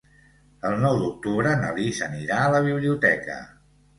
El nou d'octubre na Lis anirà a la biblioteca.